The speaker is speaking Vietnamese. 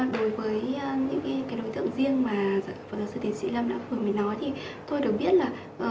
đối với những cái đối tượng riêng mà phật giáo sư tiến sĩ lâm đã vừa mới nói thì tôi được biết là